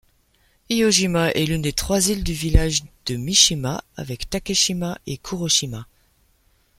Iō-jima est l'une des trois îles du village de Mishima, avec Take-shima et Kuro-shima.